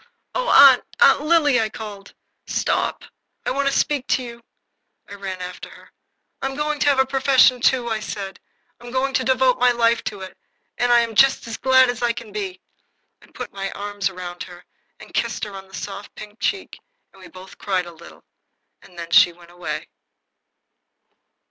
"Oh, Aunt Aunt Lily!" I called. "Stop! I want to speak to you." I ran after her. "I'm going to have a profession, too," I said. "I'm going to devote my life to it, and I am just as glad as I can be." I put my arms round her and kissed her on her soft, pink cheeks, and we both cried a little. Then she went away.